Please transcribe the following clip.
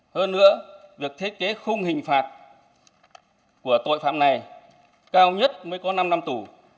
hơn nữa việc thiết kế khung hình phạt của tội phạm này cao nhất mới có năm năm tù